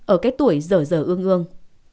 ở cái tuổi dở dở ương ương